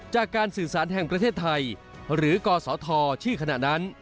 จากการสื่อสารแห่งประเทศไทยหรือกศธชื่อขณะนั้น